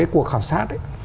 cuộc khảo sát